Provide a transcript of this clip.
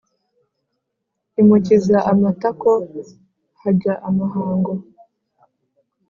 Imukiza amatako hajya amahango